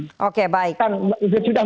itu sudah mulai begitu